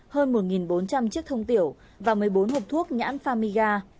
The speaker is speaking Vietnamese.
hơn một bốn trăm linh chiếc thông tiểu và một mươi bốn hộp thuốc nhãn famiga